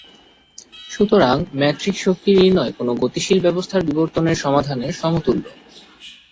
সুতরাং, ম্যাট্রিক্স শক্তি নির্ণয় কোন গতিশীল ব্যবস্থার বিবর্তনের সমাধানের সমতুল্য।